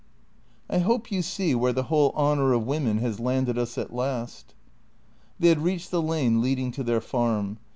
" I hope you see where the whole honour of women has landed us at last." They had reached the lane leading to their farm.